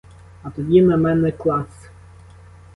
А тоді на мене клац!